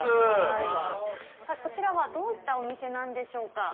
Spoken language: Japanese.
こちらはどういったお店なんでしょうか。